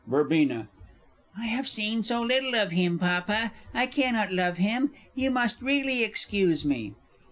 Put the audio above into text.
Verb. I have seen so little of him, Papa, I cannot love him you must really excuse me!